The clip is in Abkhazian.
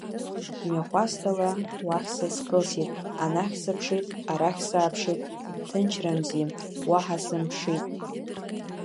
Мҩахәасҭала уахь са скылсит, анахь снаԥшит, арахь сааԥшит, ҭынчрамзи, уаҳа сымԥшит.